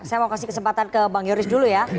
saya mau kasih kesempatan ke bang yoris dulu ya